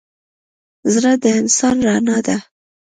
زړه د انسان رڼا ده.